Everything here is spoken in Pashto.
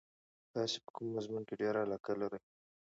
تاسې په کوم مضمون کې ډېره علاقه لرئ؟